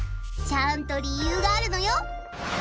ちゃんと理由があるのよ！